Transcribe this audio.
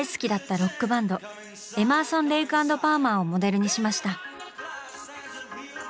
ロックバンド「エマーソン、レイク＆パーマー」をモデルにしました。